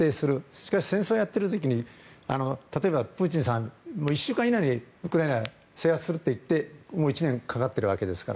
しかし、戦争をやっている時に例えば、プーチンさんは１週間以内にウクライナを制圧すると言いながらもう１年かかっているわけですから。